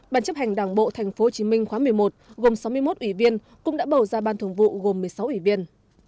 bản chấp hành đảng bộ tp hcm khóa một mươi một gồm sáu mươi một ủy viên cũng đã bầu ra ban thường vụ gồm một mươi sáu ủy viên